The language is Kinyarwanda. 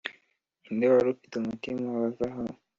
ninde wari ufite umutima wa zahabu.